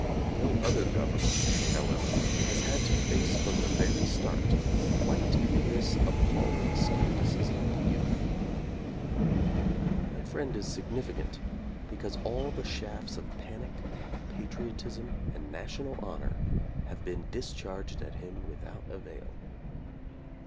No other government, however, has had to face from the very start quite this appalling skepticism of youth. My friend is significant because all the shafts of panic, patriotism and national honor have been discharged at him without avail.